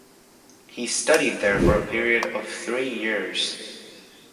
He studied there for a period of three years.